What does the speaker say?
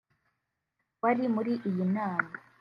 wari muri iyi nama